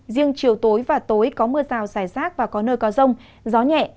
riêng chiều tối và tối có mưa rào dài rác và có nơi có rông gió nhẹ